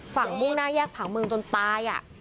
มุ่งหน้าแยกผังเมืองจนตาย